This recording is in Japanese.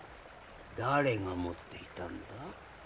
誰が持っていたんだ？